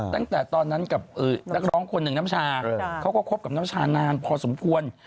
ตั้งแต่ตอนนั้นกับนักร้องคนหนึ่งน้ำชาเขาก็คบกับน้ำชานานพอสมควร